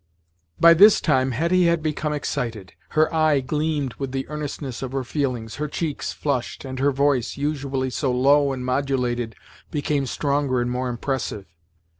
By this time Hetty had become excited; her eye gleamed with the earnestness of her feelings, her cheeks flushed, and her voice, usually so low and modulated, became stronger and more impressive.